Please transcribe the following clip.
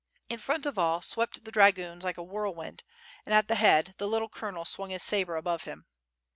In front of all swept the dragoons like a whirlwind and at the head the little colonel swung his sabre above him.